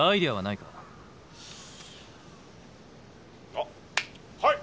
「あっはい！